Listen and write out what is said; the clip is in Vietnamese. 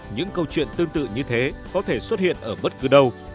những câu chuyện tương tự như thế có thể xuất hiện ở bất cứ đâu